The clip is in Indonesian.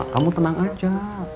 kamu tenang aja